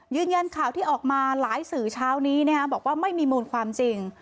ยืนยันข่าวที่ออกมาหลายสื่อเช้านี้บอกว่าไม่มีมูลความจริง